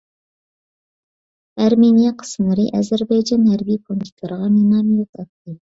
ئەرمېنىيە قىسىملىرى ئەزەربەيجان ھەربىي پونكىتلىرىغا مىناميوت ئاتتى.